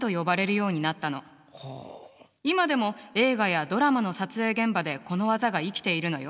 今でも映画やドラマの撮影現場でこの技が生きているのよ。